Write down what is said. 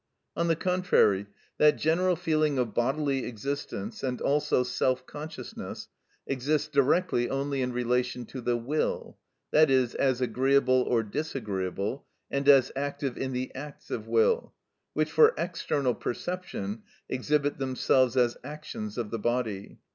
On the contrary, that general feeling of bodily existence, and also self consciousness, exists directly only in relation to the will, that is, as agreeable or disagreeable, and as active in the acts of will, which for external perception exhibit themselves as actions of the body.